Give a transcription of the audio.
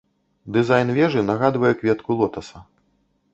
Дызайн вежы нагадвае кветку лотаса.